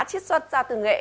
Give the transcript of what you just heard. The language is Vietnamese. chiết xuất ra từ nghệ